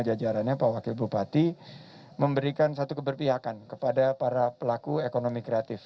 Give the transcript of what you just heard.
jajarannya pak wakil bupati memberikan satu keberpihakan kepada para pelaku ekonomi kreatif